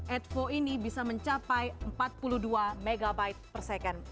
advo ini bisa mencapai empat puluh dua mb per second